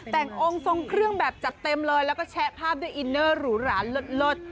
แต่งองค์ทรงเครื่องแบบจัดเต็มเลยแล้วก็แชะภาพด้วยอินเนอร์หรูหรานเลิศ